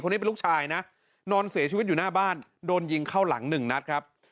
ลูกชายเป็นลูกชายนะนอนเสียชีวิตอยู่หน้าบ้านโดนยิงเข้าหลังหนึ่งนัดครับ